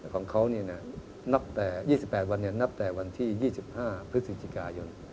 ของเขา๒๘วันนับจากที่๒๕พฤศจิกายน